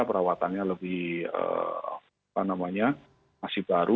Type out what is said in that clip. perawatannya lebih apa namanya masih baru